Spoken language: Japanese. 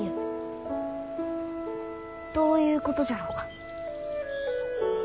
どういうことじゃろうか？